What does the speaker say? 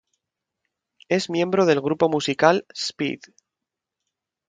Es miembro del grupo musical Speed.